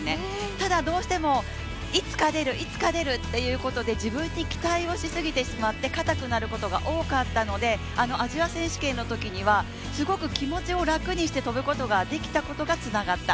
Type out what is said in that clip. ただ、どうしても、いつか出る、いつか出るっていうところで自分に期待しすぎて硬くなることが多かったのでアジア選手権のときにはすごく気持ちを楽にして跳ぶことができたことがつながった。